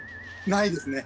ないですね。